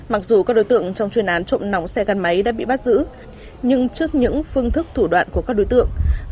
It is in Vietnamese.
mặc dù các đối tượng trong chuyên án trộm nóng xe gắn máy đã bị bắt giữ nhưng trước những phương thức thủ đoạn của các đối tượng